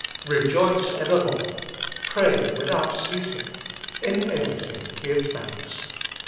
Rejoice evermore. Pray luiihout ceasing. In everything give thanks.